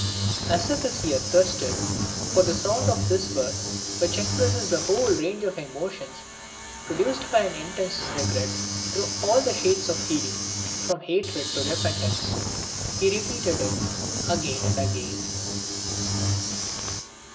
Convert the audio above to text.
As if his ear thirsted for the sound of this word, which expresses the whole range of emotions produced by an intense regret, through all the shades of feeling, from hatred to repentance, he repeated it again and again.